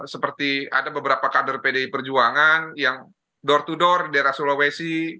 seperti ada beberapa kader pdi perjuangan yang door to door daerah sulawesi